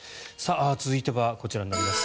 続いてはこちらになります。